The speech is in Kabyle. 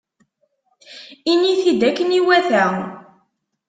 Ini-t-id akken iwata.